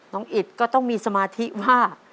อิดก็ต้องมีสมาธิว่า